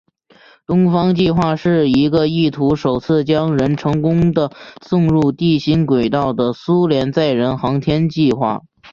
东方计划是一个意图首次将人成功地送入地心轨道的苏联载人航天计划。